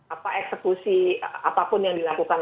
apa eksekusi apapun yang dilakukan